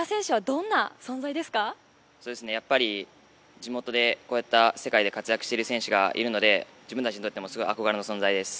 地元でこういった、世界で活躍している選手がいるので自分たちにとってもすごい憧れの存在です。